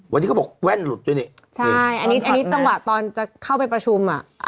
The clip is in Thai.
วันนี้เขาบอกแว่นหลุดด้วยนี่ใช่อันนี้อันนี้จังหวะตอนจะเข้าไปประชุมอ่ะ